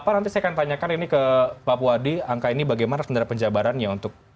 nanti saya akan tanyakan ini ke papua di angka ini bagaimana sendara penjabarannya untuk